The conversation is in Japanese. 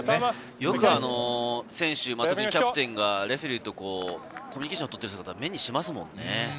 よく選手、特にキャプテンがレフェリーとコミュニケーションを取ってるのを目にしますもんね。